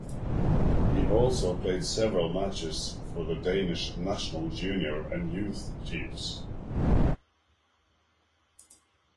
He has also played several matches for the Danish national junior and youth teams.